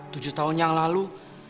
tujuh tahun yang lalu